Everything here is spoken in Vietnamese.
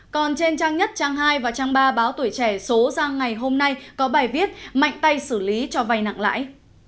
còn trên trang nhất trang hai và trang ba báo tuổi trẻ số ra ngày hôm nay có bài viết mạnh tay xử lý cho vay nặng lãi